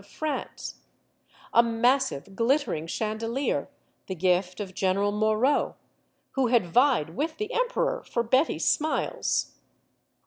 of France; a massive, glittering chandelier, the gift of General Moreau, who had vied with the emperor for Betty's smiles.